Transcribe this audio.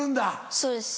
そうです。